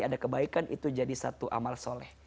ada kebaikan itu jadi satu amal soleh